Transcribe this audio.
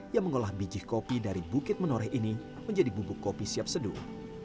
yang mengolah biji kopi dari bukit menoreh ini menjadi bubuk kopi siap seduh